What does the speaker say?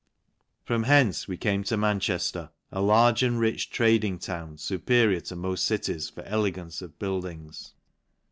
From hence we came to Manchejler, a large and rich trading town, fuperior to moft cities for ele gance of buildings.